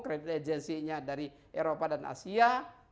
create agency nya dari eropa dan asia